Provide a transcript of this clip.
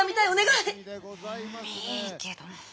いいけど。